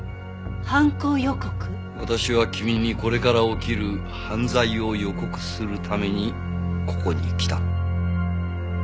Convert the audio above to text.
私は君にこれから起きる犯罪を予告するためにここに来た。